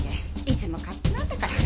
いつも勝手なんだから。